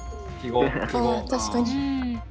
あ確かに。